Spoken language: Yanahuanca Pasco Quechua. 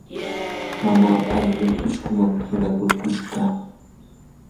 mamaapa allqun uchkuman qiqakurkushqam.